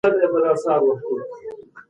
الله تعالی اسراف منع کړی دی.